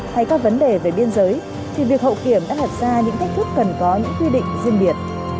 hay các vấn đề về biên giới thì việc hậu kiểm đã đặt ra những thách thức cần có những quy định riêng biệt